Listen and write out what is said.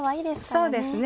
そうですね。